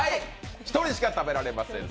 一人しか食べられません。